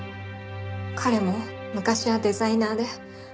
彼も昔はデザイナーで。